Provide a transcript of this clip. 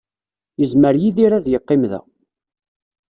Yezmer Yidir ad yeqqim da.